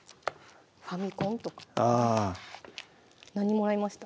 「ファミコン」とか何もらいました？